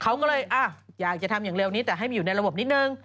เขาก็เลยอยากจะทำอย่างเร็วนี้แต่ให้มาอยู่ในระบบนิดนึง